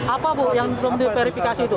apa yang belum terperifikasi itu